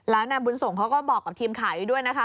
แล้วนายบุญส่งเขาก็บอกกับทีมข่าวด้วยนะคะ